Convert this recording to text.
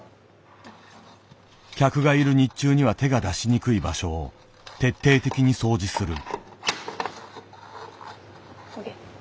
客がいる日中には手が出しにくい場所を徹底的に掃除する。